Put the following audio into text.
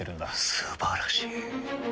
素晴らしい。